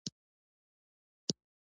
نوې پاملرنه اړیکې پیاوړې کوي